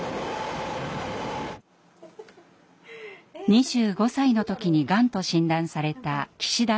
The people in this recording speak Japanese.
２５歳の時にがんと診断された岸田徹さんです。